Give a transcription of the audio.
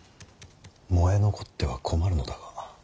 燃え残っては困るのだが。